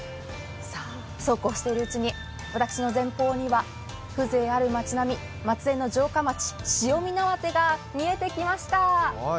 そうこうしているうちに私の前方には風情ある街並み、松江の城下町、塩見縄手が見えてきました。